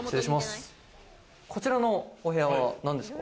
こちらのお部屋はなんですか？